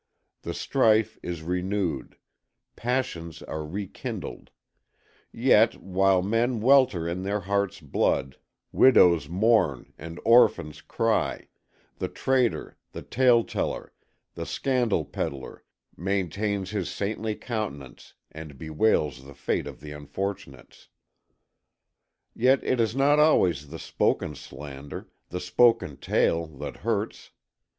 The strife is renewed; passions are rekindled; yet, while men welter in their hearts' blood, widows mourn and orphans cry, the traitor, the tale teller, the scandal peddler, maintains his saintly countenance and bewails the fate of the unfortunates. Yet it is not always the spoken slander, the spoken tale, that hurts.